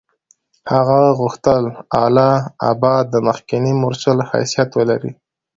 هغه غوښتل اله آباد د مخکني مورچل حیثیت ولري.